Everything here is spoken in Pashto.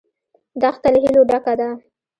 دښته له هیلو ډکه ده.